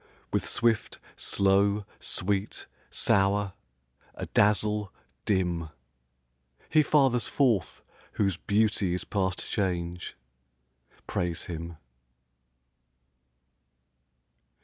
With swift, slow; sweet, sour; adazzle, dim; He fathers forth whose beauty is past change: Praise him.